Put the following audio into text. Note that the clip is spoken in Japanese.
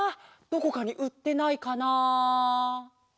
どこかにうってないかな？